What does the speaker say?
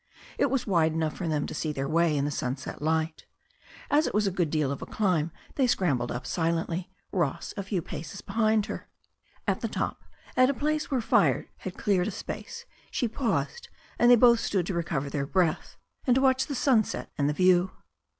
It was wide enough for them to see their way in the sunset light. As it was a good deal of a climb they scrambled up silently, Ross a few paces behind her. At the top, at a place where fire had cleared a space, she paused, and they both stood to recover their breath, and to watch the sunset and the view.